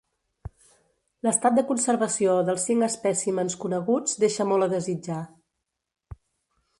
L'estat de conservació dels cinc espècimens coneguts deixa molt a desitjar.